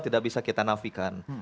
tidak bisa kita nafikan